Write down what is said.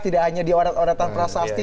tidak hanya dioret oretan prasasti